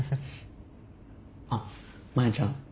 あっマヤちゃん。